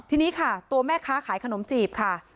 ทีนี้ค่ะตัวแม่ค้าขายขนมจีบค่ะ